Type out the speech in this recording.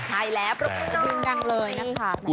ใช่แล้วพรุ่งดังเลยนะคะ